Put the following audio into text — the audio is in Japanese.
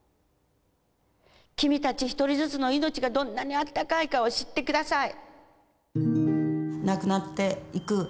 君たち一人ずつの命がどんなにあったかいかを知ってください。